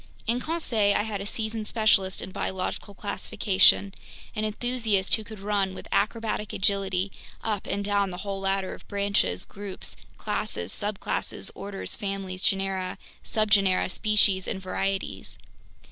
In Conseil I had a seasoned specialist in biological classification, an enthusiast who could run with acrobatic agility up and down the whole ladder of branches, groups, classes, subclasses, orders, families, genera, subgenera, species, and varieties.